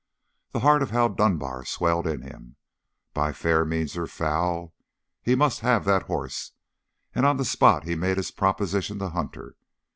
The heart of Hal Dunbar swelled in him. By fair means or foul, he must have that horse, and on the spot he made his proposition to Hunter.